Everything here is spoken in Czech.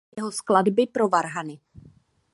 Zvláště jsou ceněny jeho skladby pro varhany.